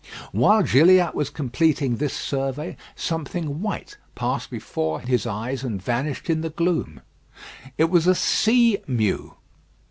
While Gilliatt was completing this survey, something white passed before his eyes and vanished in the gloom. It was a sea mew.